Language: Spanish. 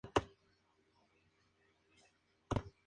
Sus pies son de color rosa o naranja.